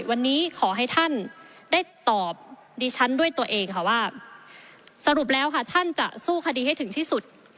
วันนี้ขอให้ท่านได้ตอบดิฉันด้วยตัวเองค่ะว่าสรุปแล้วค่ะท่านจะสู้คดีให้ถึงที่สุด